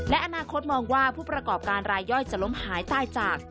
และอนาคตมองว่าผู้ประกอบการรายย่อยจะล้มหายใต้จาก